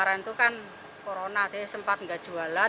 terus untuk mencukupi perekonomian keluarga gimana bu kan nggak jualan